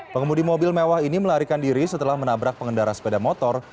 pengemudi mobil mewah ini melarikan diri setelah menabrak pengendara sepeda motor